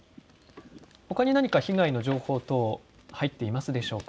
ほかに何か被害の情報等、入っていますでしょうか。